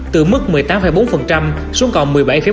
từ mức một mươi tám bốn xuống còn một mươi bảy một